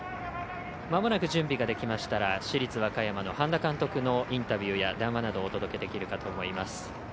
まもなく準備ができましたら市立和歌山の半田監督のインタビューや談話などをお届けできるかと思います。